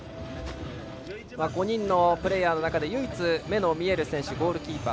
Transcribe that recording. ５人のプレーヤーの中で唯一、目の見せる選手ゴールキーパー。